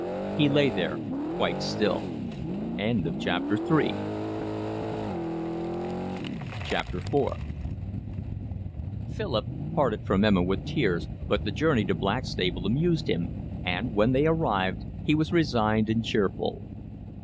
He lay there quite still. IV Philip parted from Emma with tears, but the journey to Blackstable amused him, and, when they arrived, he was resigned and cheerful.